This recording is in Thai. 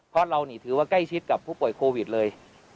เพราะเรานี่ถือว่าใกล้ชิดกับผู้ป่วยโควิดเลย